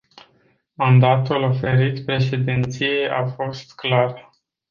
Mandatul oferit președinției a fost clar.